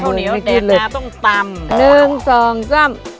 เดี๋ยวข้าวเหนียวแดดหน้าต้องต่ำ